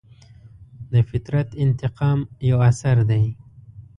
د فطرت انتقام یو اثر دی.